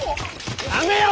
やめよ！